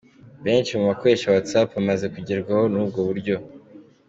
Benshi mu bakoresha WhatsApp bamaze kugerwaho n’ubwo buryo.